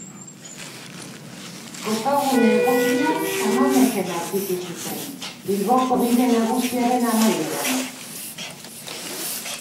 Kokagune egokia San Mamesen aurkitu zuten, Bilboko Bide Nagusiaren amaieran.